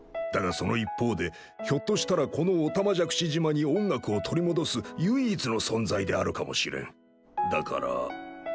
だがその一方でひょっとしたらこのおたまじゃくし島に音楽を取り戻す唯一の存在であるかもしれん。